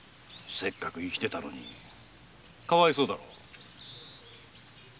せっかく生きてたのにかわいそうだろ？